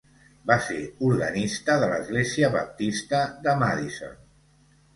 Va ser organista de l'església baptista de Madison.